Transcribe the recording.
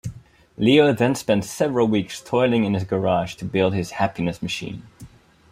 Leo then spends several weeks toiling in his garage to build his Happiness Machine.